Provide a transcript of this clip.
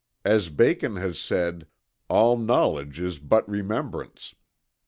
As Bacon has said: "All knowledge is but remembrance."